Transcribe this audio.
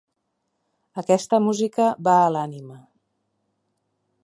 Aquesta música va a l'ànima.